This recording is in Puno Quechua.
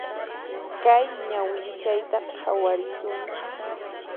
Kay ñawinchayta khawarisunchis.